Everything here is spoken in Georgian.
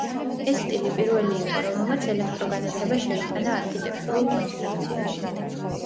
ეს სტილი პირველი იყო, რომელმაც ელექტრო განათება შეიტანა არქიტექტურულ კონსტრუქციაში.